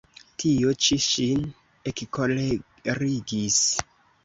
Tio ĉi ŝin ekkolerigis.